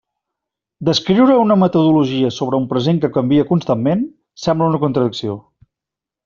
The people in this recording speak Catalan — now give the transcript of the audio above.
Descriure una metodologia sobre un present que canvia constantment sembla una contradicció.